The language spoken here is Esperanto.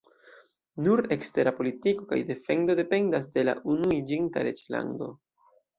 Nur ekstera politiko kaj defendo dependas de la Unuiĝinta Reĝlando.